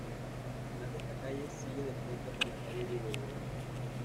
Al final de esta calle, sigue de frente por la calle Diego de León.